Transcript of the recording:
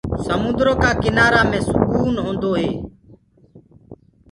سموندرو ڪآ ڪِنآرآ مي سُڪون هوندو هي۔